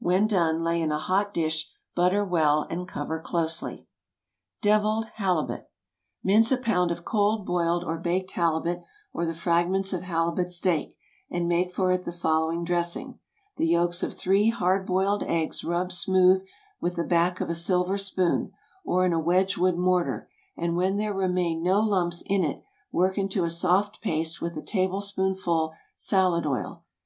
When done, lay in a hot dish, butter well, and cover closely. DEVILLED HALIBUT. Mince a pound of cold boiled or baked halibut, or the fragments of halibut steak, and make for it the following dressing: The yolks of three hard boiled eggs rubbed smooth with the back of a silver spoon, or in a Wedgewood mortar, and when there remain no lumps in it, work into a soft paste with a tablespoonful salad oil.